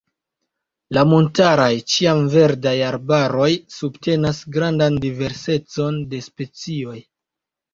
La montaraj ĉiamverdaj arbaroj subtenas grandan diversecon de specioj.